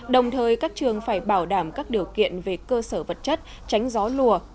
đồng thời các trường phải bảo đảm các điều kiện về cơ sở vật chất tránh gió lùa